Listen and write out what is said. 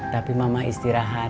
tapi mama istirahat ya